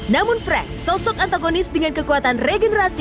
namun frank sosok antagonis dengan kekuatan regenerasi